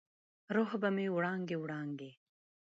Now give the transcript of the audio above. روح به مې وړانګې، وړانګې،